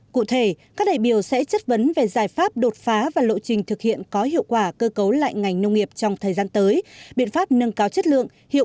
cụ thể các đại biểu sẽ chất vấn về giải pháp đột phá và lộ trình thực hiện có hiệu quả cơ cấu lạnh ngành nông nghiệp trong thời gian tới